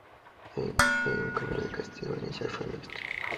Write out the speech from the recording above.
El comentario sobre el castigo inicial fue mixto.